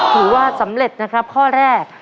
ถือว่าสำเร็จนะครับข้อแรก